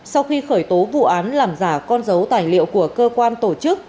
sau khi khởi tố vụ án làm giả con dấu tài liệu của cơ quan tổ chức